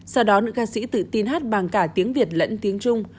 sau đó nữ ca sĩ tự tin hát bằng cả tiếng việt lẫn tiếng trung